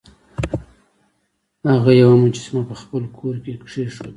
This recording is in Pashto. هغه یوه مجسمه په خپل کور کې کیښوده.